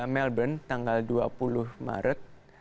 melbourne tanggal dua puluh maret